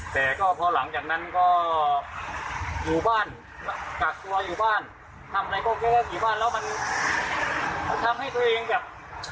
แต่ก็พอหลังจากนั้นก็อยู่บ้านกักตัวอยู่บ้านทำอะไรก็รู้ว่ากี่บ้านแล้วมันทำให้ตัวเองแบบ